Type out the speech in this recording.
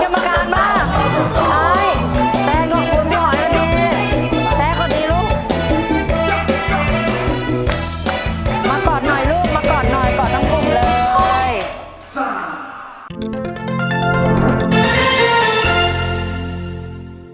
มากอดหน่อยลูกมากอดหน่อยกอดทั้งทุกคนเลย